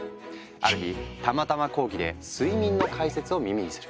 ある日たまたま講義で睡眠の解説を耳にする。